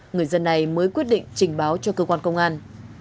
người dân này mới quyết định trình báo cho cơ quan công an